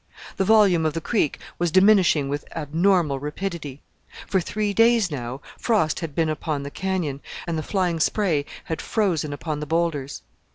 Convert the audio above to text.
The volume of the Creek was diminishing with abnormal rapidity. For three days now frost had been upon the canyon, and the flying spray had frozen upon the boulders.